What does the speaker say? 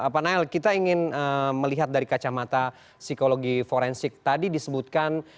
pak nael kita ingin melihat dari kacamata psikologi forensik tadi disebutkan